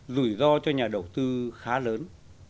rủi ro cho nhà đầu tư khá lớn